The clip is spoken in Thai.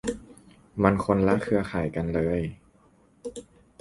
มันคนละเครือข่ายกันเลย